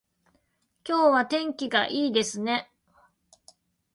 今日は天気がいいですね